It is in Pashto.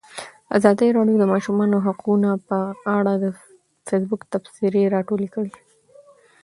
ازادي راډیو د د ماشومانو حقونه په اړه د فیسبوک تبصرې راټولې کړي.